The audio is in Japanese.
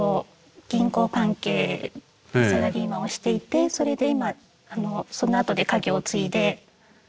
銀行関係のサラリーマンをしていてそれで今あのそのあとで家業を継いで。